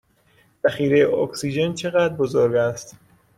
ذخیره اکسیژن چه قدر بزرگ است؟